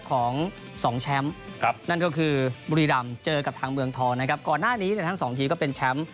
ของสองแชมป์ครับนั่นก็คือบุรีด่ามเจอกับทางเมืองทรแล้วครับก่อนหน้านี้ทั้งสองทีก็เป็นแชมป์